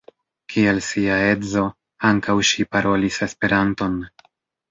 Kiel sia edzo, ankaŭ ŝi parolis Esperanton.